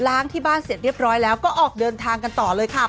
ที่บ้านเสร็จเรียบร้อยแล้วก็ออกเดินทางกันต่อเลยค่ะ